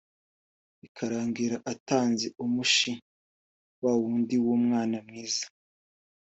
bikarangira atanze umushi wa wundi w’umwana mwiza